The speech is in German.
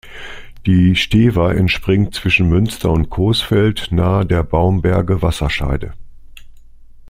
Die Stever entspringt zwischen Münster und Coesfeld, nahe der Baumberge-Wasserscheide.